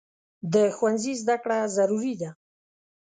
د ښوونځي زده کړه ضروري ده.